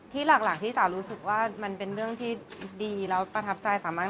หลักที่จ๋ารู้สึกว่ามันเป็นเรื่องที่ดีแล้วประทับใจสามารถ